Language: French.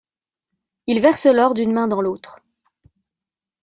Il verse l'or d'une main dans l'autre.